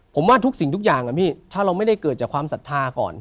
ผมว่าทุกสิ่งทุกอย่างพี่ถ้าเราไม่ได้เกิดจากความศรัทธาก่อน